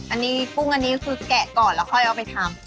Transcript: อันนี้กุ้งอันนี้คือแกะก่อนแล้วค่อยเอาไปทำ